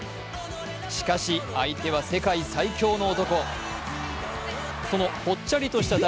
しかし、相手は世界最強の男。